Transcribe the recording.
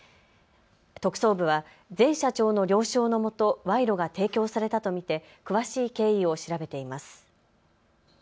特捜部は前社長の了承のもと賄賂が提供されたと見て詳しい経緯を調べています。